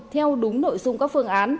theo đúng nội dung các phương án